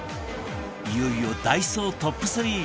いよいよダイソートップ３